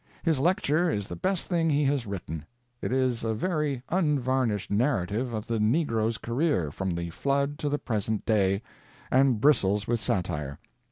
His lecture is the best thing he has written. It is a very unvarnished narrative of the negro's career, from the flood to the present day, and bristles with satire.